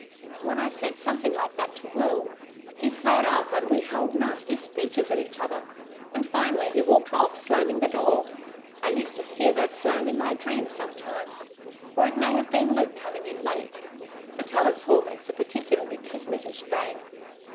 When I said something like that to Will, he flared up and we hurled nasty speeches at each other, and finally he walked off slamming the door I used to hear that slam in my dreams sometimes or it may have been Luke coming in late the Tallants' hall door makes a particularly Kismetish bang.